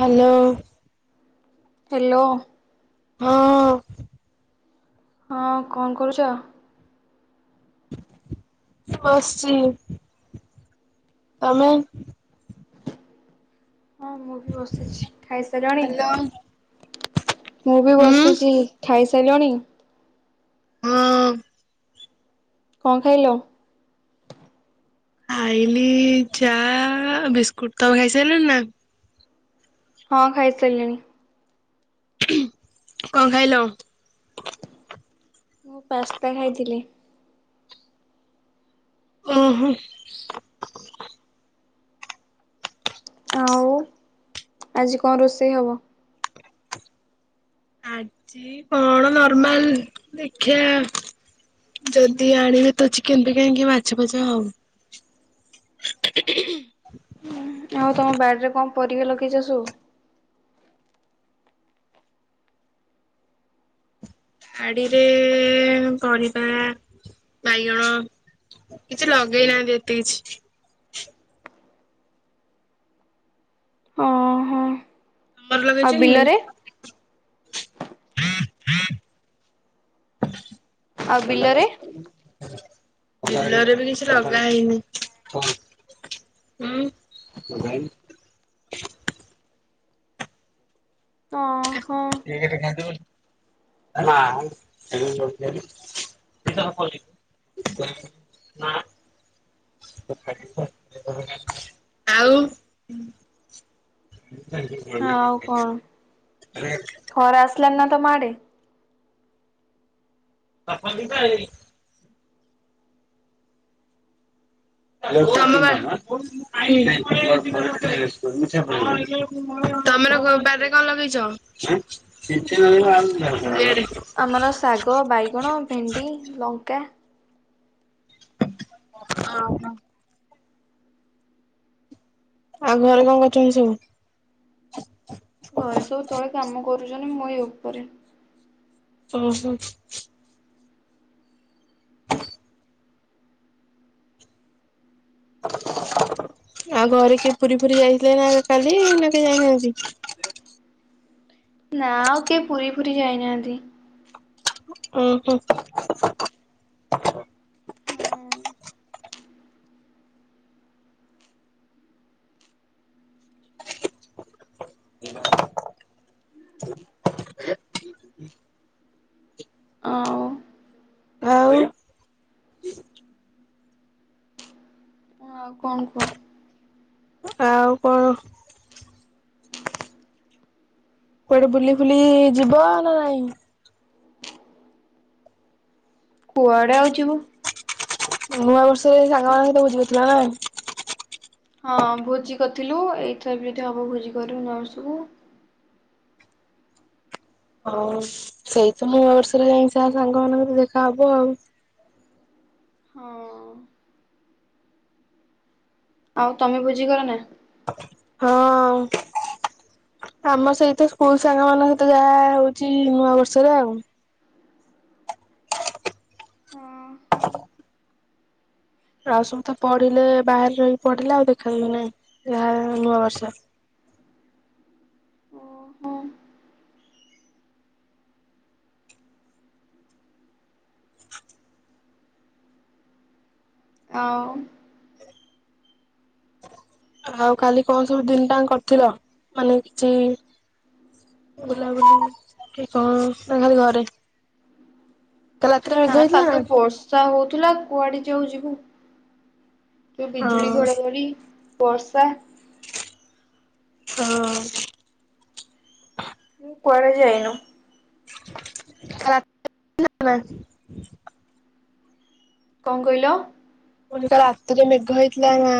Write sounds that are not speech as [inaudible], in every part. Hello. Hello. ହଁ। ହଁ କଣ କହୁଛ? ବସିଛି। ତମେ? ହଁ ମୁଁ ବି ବସିଛି ଖାଇସାରିଲାଣି? ହ୍ୟାଲୋ ମୁଁ ବି ହୁଁ ବସିଛି ଖାଇସାରିଲଣି? ହୁଁ। କଣ ଖାଇଲ? ଖାଇଲି ଚା ବିସ୍କୁଟ ତମ ଖାଇସାରିଲଣିି ନା? ହଁ ଖାଇସାରିଲଣି। କଣ ଖାଇଲ? ମୁଁ ପାସ୍ତା ଖାଇଥିଲି। ଉ ହୁଁ। ଆଉ ଆଜି କଣ ରୋଷେଇ ହବ? ଆଜି କଣ ନର୍ମାଲ ଦେଖିବା। ଯଦି ଆଣିବେ ତ ଚି କେନ ଫିକେନ କି ମାଛ ଫାଛ ହଉ ଆଉ ତମ ବାଡ଼ିରେ କଣ ପରିବା ଲଗେଇଛ ସବୁ ବାଡିରେ ପରିବା ବାଇଗଣ। କିଛି ଲଗେଇ ନାହାନ୍ତି ଏତେ କିଛି। ଅ ହଁ। ବର ଲଗେଇ ଆଉ ଚକି? ବିଲରେ [unintelligible] ଆଉ ବିଲରେ ବିଲରେ ବି କିଛି ଲଗା ହେଇନି। ହୁଁ [unintelligible] ତ ହଁ। [unintelligible] ନା। ଆଉ। [unintelligible] ହଁ ଆଉ କଣ ଖରା ଆସିଲାନା ତମ ଆଡେ? ବାପା ବିପ [inaudible] [inaudible] [unintelligible] କଣ ଲଗେଇଛ। [unintelligible] ଆମର ଶାଗ ବାଇଗଣ ଭେଣ୍ଡି ଲଙ୍କା। ହଁ ହଁ। ଆଉ ଘରେ କଣ କରୁଛନ୍ତି ସବୁ? ଘରେ ସବୁ ତଳେ କାମ କରୁଛନ୍ତି ମୁଁ ଏ ଉପରେ। ଓହୋ। ଆଉ ଘରେ କିଏ ପୁରୀ ଫୁରି ଯାଇଥିଲେ ନା କାଲି ନା କେହି ଯାଇନାହାନ୍ତି? ନା ଆଉ କିଏ ପୁରୀ ଫୁରୀ ଯାଇନାହାନ୍ତି। ଉୁଁ ହୁଁ। [unintelligible] ଆଉ। ଆଉ ହଁ କୁହ? ଆଉ କଣ? କୁଆଡେ ବୁଲି ଫୁଲି ଯିବ ନା ନାଇଁ? କୁଆଡେ ଆଉ ଯିବୁ? ନୂଆ ବର୍ଷରେ ସାଙ୍ଗ [unintelligible] ହଁ ଭୋଜି କରିଥିଲୁ ଏଇଥର ବି ଯଦି ହବ ଭୋଜି କରିବୁ ନୂଆ ବର୍ଷକୁ। ହଉ ସେଇତ ନୂଆ ବର୍ଷରେ ଯାଇ ସାଙ୍ଗ ମାନଙ୍କ ଦେଖା ହବ ଆଉ ହଁ। ଆଉ ତମେ ଭୁଜି କର ନା? ହଁ। ଆମର ସେଇତ ସ୍କୁଲ ସାଙ୍ଗ ମାନଙ୍କ ସହିତ ଯାହା ହଉଛି ନୂଆ ବର୍ଷରେ ଆଉ। ଆଉ ସବୁ ତ ପଢିଲେ ବାହାରେ ରହିି ପଢିଲେ ଆଉ ଦେଖା ନାହିଁ ଯାହା ନୂଆ ବର୍ଷ। ଓହୋ ଆ ଆଉ କାଲି କଣ ସବୁ ଦିନଟା କରିଥିଲ ମାନେ କିଛି। ବୁଲାବୁଲି କି କଣ୍ ତା ଖାଲି ଘରେ? କାଲି ରାତିରେ ମେଘ ନା ହେଇଥିଲା ତା ତ ବର୍ଷ୍। ଇଚ୍ଛା ହଉଥିଲା କୁଆଡେ ଯାଉପ ଯିବୁ ତ ବିଜୁଳି ହଁ ଘଡ଼ଘଡି ବର୍ଷା ହଁ। କୁଆଡେ ଯାଇନୁ? [unintelligible] କଣ କଇଲ? ମୁଁ କହୁଥିଲି ରାତିରେ ମେଘ ହେଇଥିଲା ନା?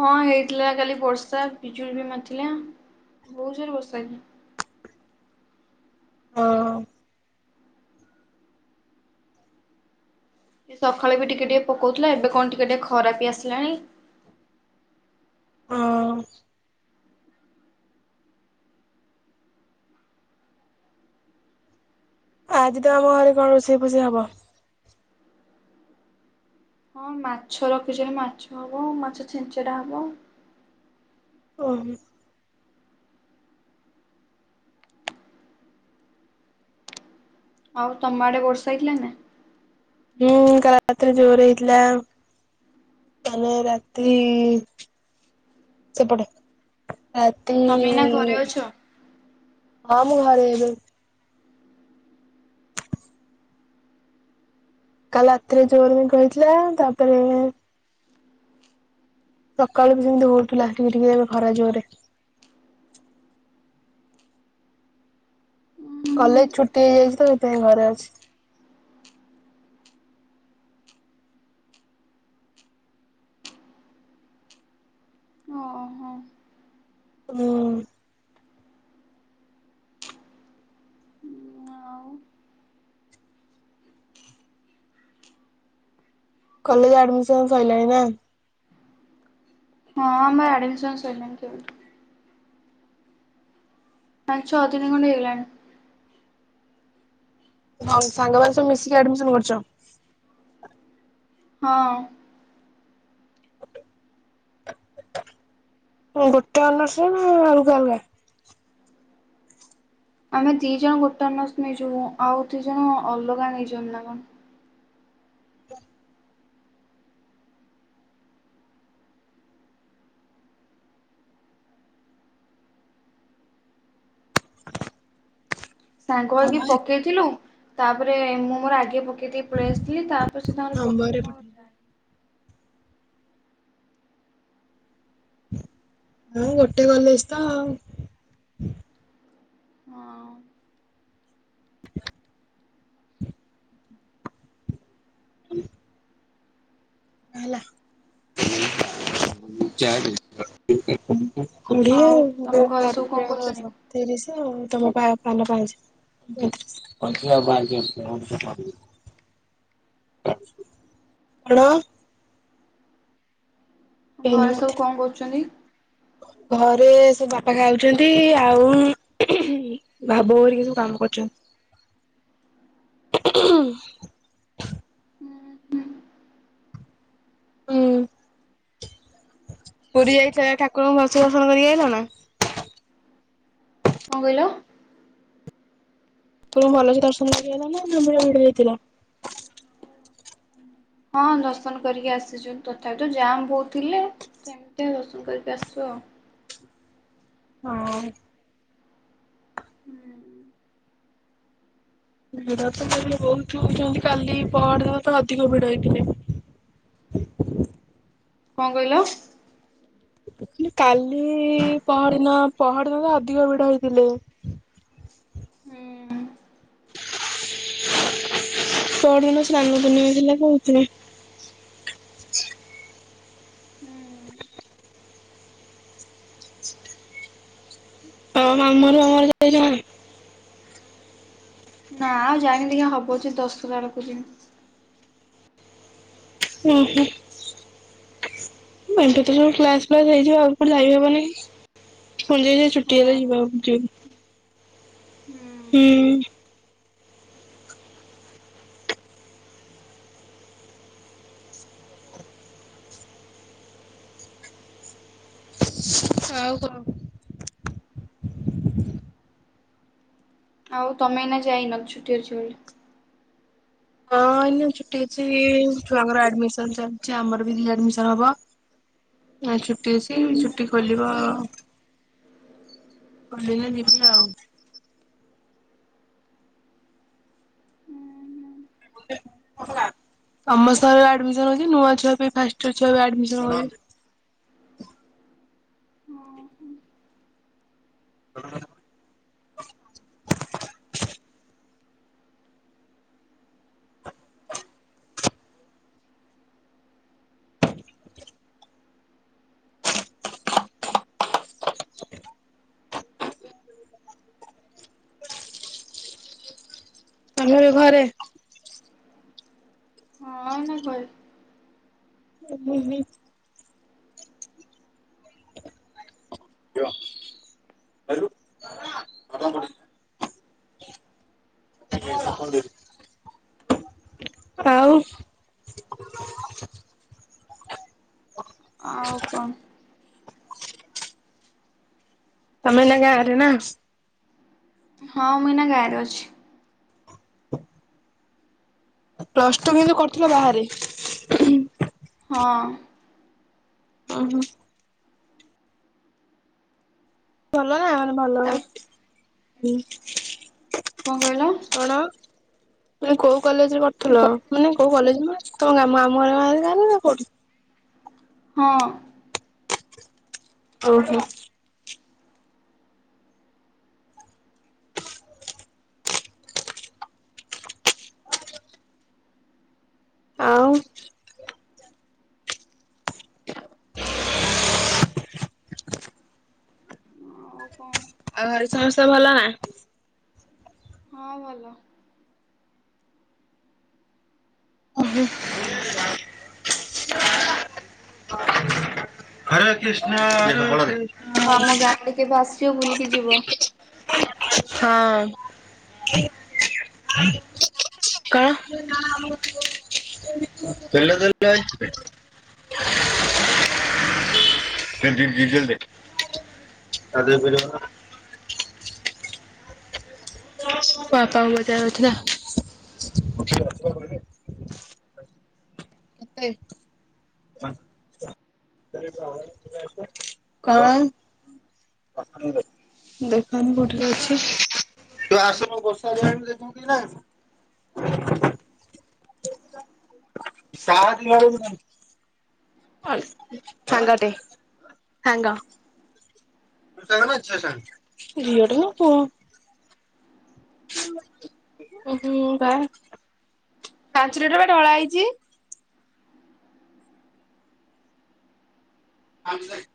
ହଁ ହେଇଥିଲା କାଲି ବର୍ଷା ବିଜୁଳି ବି ମାର୍ ଥିଲା ବହୁ ଜୋରରେ ବର୍ଷା ହଁ। ସଖାଳେ ବି ଟିକେ ଟିକେ ପକଉଥିଲା ଏବେ କଣ୍ ଟିକେ ଟିକେ ଖରା ବି ଆସିଲାଣି। ହଁ। ଆଜି ତ ଆମ ଆଉ ଘରେ କଣ ରୋଷେଇ ଫୋଷେଇ ହବ? ହଁ ମାଛ ରଖିଛ ମାଛ ହବ ମାଛ ଛେଞ୍ଚେଡା ହବ। ଓ ହୁଁ। ଆଉ ତମ ଆଡେ ବର୍ଷା ହେଇଥିଲା ନା? ହୁଁ କାଲି ରାତ୍ ରେ ଜୋରେ ହେଇଥିଲା। ରାତି ସେପଟେ ତମେ ଏଇନା ଘରେ ଅଛ? ହଁ ମୁଁ ଘରେ ଏବେ। କାଲି ରାତିରେ ଜୋରେ ମେଘ ହେଇଥିଲା ତାପରେ ସକାଳୁ ବି ସେମିତି ହଉଥିଲା ଟିକେ ଟିକେ ଖରା ଜୋରେ। ଉଁ ହୁଁ କଲେଜ୍ ଛୁଟି ହେଇଯାଇଚି ତ ସେଥିପାଇଁ ଘରେ ଅଛି। ଓହୋ। ହୁଁ। ଆଉ କଲେଜ୍ ଆଡମିସନ ସଇଲାଣି ନା? ହଁ ଆମର ଆଡମିସନ ସଇଲାଣି କେବେଠୁ। ପାଞ୍ଚ ଛ ଦିନି ଖଣ୍ଡେ ହେଇଗଲାଣି। ଆଉ ସାଙ୍ଗମାନେ ସବୁ ମିଶିକି ଆଡମିସନ କରିଛ। ହଁ। ଗୋଟେ ଅନର୍ସ ନା ଅଲଗା ଅଲଗା? ଆମେ ଦି ଜଣ ଗୋଟେ ଅନର୍ସ ନେଇଯିବୁ ଆଉ ଦି ଜଣ ଅଲଗା ନେଇଚନ୍ ନା କଣ। ସାଙ୍ଗ ହଁ ହେଇକି ପକେଇଥିଲୁ ତାପରେ ମୁଁ ମୋର ଆଗେ ପ ପକେଇ ଦେଇକି ପଳେଇ ଆସିଥିଲି ତାପରେ ସେ ତାଙ୍କର ନମ୍ବରରେ ପକେଇଲେ କଣ ପଠେଇଦିଅ ହଁ ଗୋଟେ କଲେଜ ତ। ହଁ। [unintelligible] ବଢିଆ ଆଉ ମାନେ ତମ ଘରେ ସବୁ ପାରୁଟି କଣ ଆଣ କରୁଛନ୍ତି? ସବୁ ତିରିଶି ଆଉ ତମ ପାନ ପାଞ୍ଚ ପଇଁତିରିଶ। [unintelligible] କଣ? ଆ ଏଇନି ଘରେ ମତେ ସବୁ କଣ କରୁଛନ୍ତି? ଘରେ ସେ ବାପା ଖାଉଛନ୍ତି ଆଉ ଭାବ କରରିକି ସବୁ କାମ କରୁଛନ୍ତି। ହୁଁ ପରୀ ଯାଇଥିଲ ଯା ଠାକୁରଙ୍କୁ ର୍ଦଶନ ଫଶନ କରିକି ଆାଇଲ ନା। କଣ କହିଲ? ତୁମେ ଭଲସେ ଦର୍ଶନ କରିକି ଆଇଲ ନା ନା ଭିଡା଼ଭିଡି଼ରେ ଥିଲ। ହଁ ଦର୍ଶନ କରିକି ଆସିଛୁ ତଥାପି ତ ଜାମ୍ ବୋହୁତ ଥିଲେ। ସେମିତି ଦର୍ଶନ କରିକି ଆସିଛୁ ଆଉ। ହଁ। ଭିଡ ତ ବହୁତଛନ୍ତି କାଲି ପହରଦିନ ତ ଅଧିକ ଭିଡ ହେଇଥିଲେ। କଣ କହିଲ? ମୁଁ କହିନି କାଲି ପହରଦିନ ପହରଦିନ ତ ଅଧିକ ଭିଡ ହେଇଥିଲେ। ହୁଁ ପହରଦିନ ସ୍ନାନ ପୂର୍ଣ୍ଣିମା ଥିଲା ତ ସେଥିପାଇଁ। ହୁଁ ତ ମାମୁଁ ହର ଫାମୁ ହର ଯାଇ ନାହ। ନା ଆଉ ଯାଇନି ଦେଖିବା ହବ ଯଦି ଦଶ ହରା ବେଳକୁ ଯିବି। ଓ ହୋ। ମେ କତୁରୁ ସବୁ କ୍ଲାସ ଫ୍ଲାସ ହେଇଯିବ ଆଉ କୁଆଡେ ଯାଇ ହବନେହି। ପୁଣି ଯାଇ ସେଇ ଛୁଟିହେଲେ ହଁ ଯାଇ ଗାଁକୁ ଯିବୁ। ହୁଁ ହୁଁ। ଆଉ କଣ? ଆଉ ତମେ ଏଇନା ଯାଇନ ଛୁଟି ଅଛି ବୋଲି। ହଁ ଏଇନା ଛୁଟି ଅଛି ଛୁଆଙ୍କର ଆଡମିସନ ଚାଲିଛି ଆମର ବି ରି ଆଡମିସନ ହବ। ଆ ଛୁଟି ଅଛି ଛୁଟି ଖୋଲିବ ଖୋଲିଲେ ଯିବି ଆଉ। ସମସ୍ତଙ୍କର ଆଡମିସନ୍ ହଉଚି ନୂଆ ଛୁଆ ପି ଫାଷ୍ଟ ଇୟର ଛୁଆ ବି ଆଡମିସନ୍ ହଉଚି। ହଁ ହୁଁ। ହଁ। ଆମେ ଏ ଘରେ। ହଁ ଏନା ଘରେ। ଏବେ ବି କ। [inaudible] [inaudible] ଆଉ ଆଉ କଣ। ତମେ ଏନା ଗାଁରେ ନା? ହଁ ମୁଁ ଏନା ଗାଁରେ ଅଛି। ପ୍ଲସ ଟୁ କିନ୍ତୁ କରିଥିଲ ବାହାରେ। ହଁ। ଓହୋ। ଭଲ ନା ମାନେ ଭଲ ତାପରେ ଉଁ। କଣ କହିଲ? କଣ ତମେ କୋଉ କଲେଜରେ ପଢୁଥିଲ? ଗ ମାନେ କୋଉ କଲେଜ ମାନେ ତମ ଆମ ଗାଁ [unintelligible] ନା କୋଉଠି? ହଁ। ଓ ହୋ। ଆଉ ଆଉ କଣ ଆଉ ଘରେ ସମସ୍ତେ ଭଲ ନା? ହଁ ଭଲ। ହରେ କିଷ୍ଣା [unintelligible] ହଁ ଆମ ଗାଁ ଆଡେ କେବେ ଆସିବ ବୁଲିକି ଯିବ। ହଁ। [unintelligible] [unintelligible] ଡି ଡି ଡିଜେଲ ଦେ [unintelligible] ପାପା [unintelligible] ଅଛି ନା। [inaudible] [unintelligible] କଣ? ଦେଖନି କୋଉଠିରେ ଅଛି। ତୁ ଆସୁନୁ ବର୍ଷା ଆଇଲାଣି ଦେଖ କି ନା [unintelligible] [unintelligible] ସାଙ୍ଗ ଟେ ସାଙ୍ଗ। ଝିଅଟେ ନା ପୁଅ। ଉଁ, ହୁଁ। ବା ପାଞ୍ଚ ଲିଟର ବା ଢଳା ହେଇଚି। ଆଉଚି କାଇଁ?